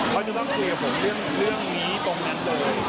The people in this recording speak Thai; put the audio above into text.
เขาจะต้องคุยกับผมเรื่องนี้ตรงนั้นเลย